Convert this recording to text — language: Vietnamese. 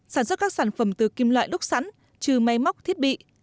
sản xuất các sản phẩm từ kim loại đúc sẵn trừ máy móc thiết bị